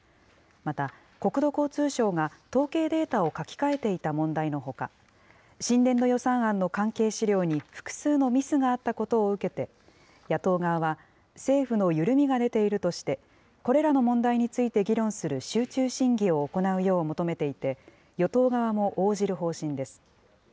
また、国土交通省が統計データを書き換えていた問題のほか、新年度予算案の関係資料に複数のミスがあったことを受けて、野党側は政府の緩みが出ているとして、これらの問題について議論する集中審議を行うよう求めていて、与党側も応じる方針です。